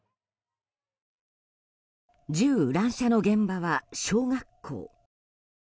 銃乱射の現場は小学校。